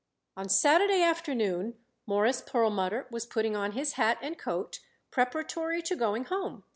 On Saturday afternoon Morris Perlmutter was putting on his hat and coat preparatory to going home.